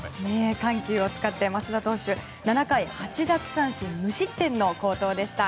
緩急を使って増田投手７回８奪三振無失点の好投でした。